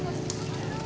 tentu aja ya tante